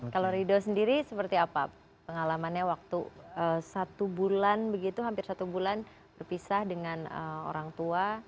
kalau rido sendiri seperti apa pengalamannya waktu satu bulan begitu hampir satu bulan berpisah dengan orang tua